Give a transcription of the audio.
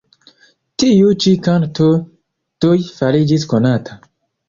Tiu ĉi kanto tuj fariĝis konata.